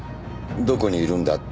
「どこにいるんだ？」